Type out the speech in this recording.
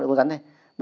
cô rắn đây